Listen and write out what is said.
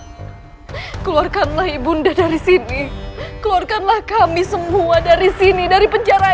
hai ibu nek keluarkanlah ibunda dari sini keluarkanlah kami semua dari sini dari penjara